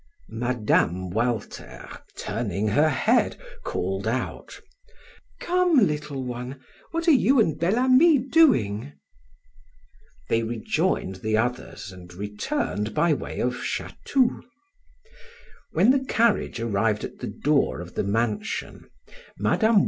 Mme. Walter, turning her head, called out: "Come, little one; what are you and Bel Ami doing?" They rejoined the others and returned by way of Chatou. When the carriage arrived at the door of the mansion, Mme.